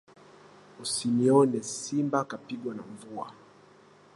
Usinione simba kapigwa na mvua